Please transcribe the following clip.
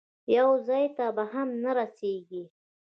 یو ځای ته به هم نه رسېږي.